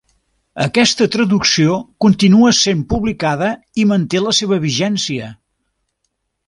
Aquesta traducció continua sent publicada i manté la seva vigència.